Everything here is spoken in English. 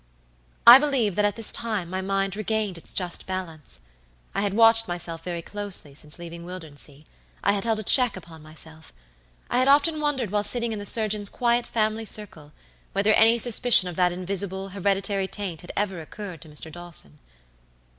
"I believe that at this time my mind regained its just balance. I had watched myself very closely since leaving Wildernsea; I had held a check upon myself. I had often wondered while sitting in the surgeon's quiet family circle whether any suspicion of that invisible, hereditary taint had ever occurred to Mr. Dawson.